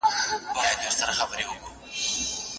زوی موزيم ته تله.